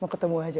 mau ketemu aja